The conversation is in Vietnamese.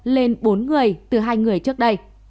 lên bốn người từ hai người trước đây